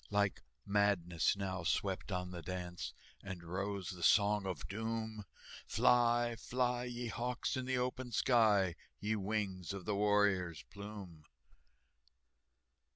Like madness now swept on the dance, And rose the Song of Doom, "Fly, fly, ye hawks, in the open sky, Ye wings of the warrior's plume!"